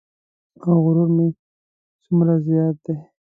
او غرور مې څومره زیات دی.